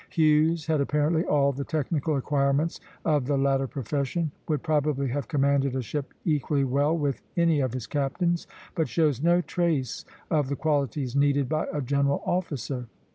Hughes had apparently all the technical acquirements of the latter profession, would probably have commanded a ship equally well with any of his captains, but shows no trace of the qualities needed by a general officer.